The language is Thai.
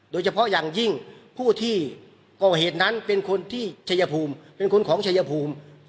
โดยเฉพาะอย่างยิ่งผู้ที่ก่อเหตุนั้นเป็นคนที่ชัยภูมิเป็นคนของชายภูมิ